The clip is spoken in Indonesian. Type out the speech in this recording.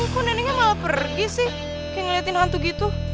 kok neneknya malah pergi sih kayak ngeliatin hantu gitu